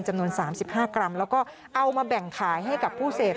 จำนวน๓๕กรัมแล้วก็เอามาแบ่งขายให้กับผู้เสพ